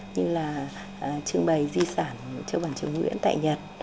như là trưng bày di sản châu bản triều nguyễn tại nhật